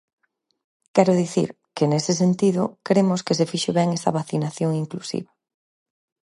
Quero dicir que, nese sentido, cremos que se fixo ben esa vacinación inclusiva.